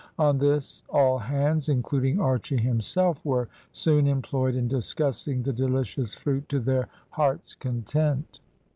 On this all hands, including Archy himself, were soon employed in discussing the delicious fruit to their hearts' content.